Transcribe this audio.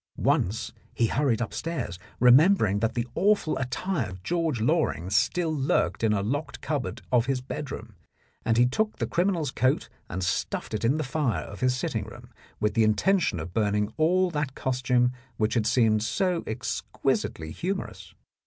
Once he hurried upstairs, remembering that the awful attire of George Loring still lurked in a locked cupboard of his bedroom, and he took the criminal's coat and stuffed it in the fire in his sitting room, with the intention of burning all that costume which had seemed so exquisitely humorous.